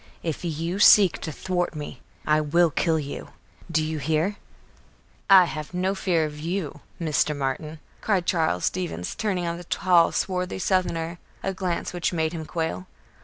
If you seek to thwart me, I will kill you. Do you hear?" "I have no fear of you, Mr. Martin," cried Charles Stevens, turning on the tall, swarthy southerner a glance which made him quail.